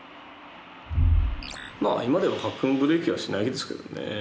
まあ今ではカックンブレーキはしないですけどね。